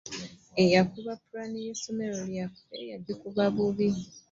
Eyakuba ppulaani ye ssomero lyaffe, yajikuba bubi.